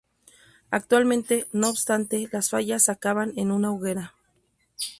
Actualmente no obstante, las fallas acaban en una hoguera.